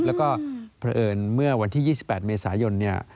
แล้วก็เผอิญเมื่อวันที่๒๘เมษายนเนี่ย